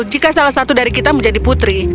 jika salah satu dari kita menjadi putri